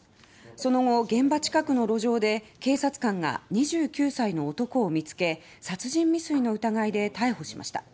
その後、現場近くの路上で警察官が２９歳の男を見つけ殺人未遂の容疑で逮捕しました。